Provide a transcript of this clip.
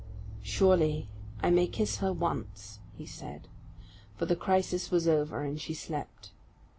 "Surely I may kiss her once," he said. For the crisis was over, and she slept.